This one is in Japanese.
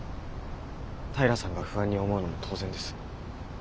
平さんが不安に思うのも当然です。